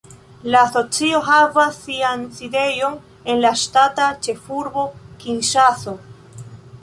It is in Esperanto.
La asocio havas sian sidejon en la ŝtata ĉefurbo Kinŝaso.